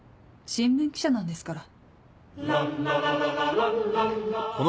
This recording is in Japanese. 新聞記者なんですから。